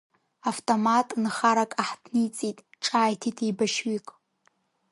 Автомат нхарак ахҭниҵеит, ҿааиҭит еибашьҩык.